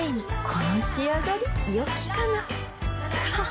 この仕上がりよきかなははっ